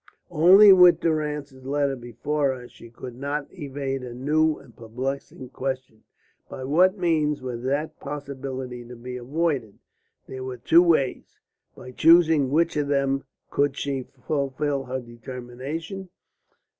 Only with Durrance's letters before her she could not evade a new and perplexing question. By what means was that possibility to be avoided? There were two ways. By choosing which of them could she fulfil her determination?